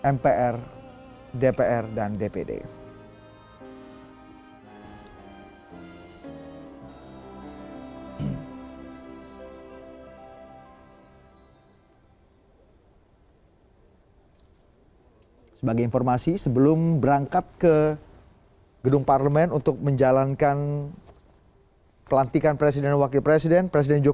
mpr dpr dan dpd